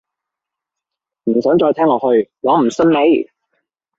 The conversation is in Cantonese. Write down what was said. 唔想再聽落去，我唔信你